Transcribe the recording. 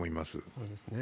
そうですね。